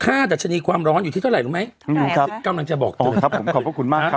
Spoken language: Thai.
ค่าดัชนีความร้อนอยู่ที่เท่าไหร่รู้ไหมครับกำลังจะบอกโอ้ครับผมขอบคุณมากครับ